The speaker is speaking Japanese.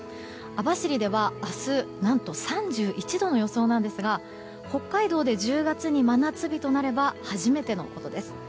網走では明日何と３１度の予想なんですが北海道で１０月に真夏日となれば初めてのことです。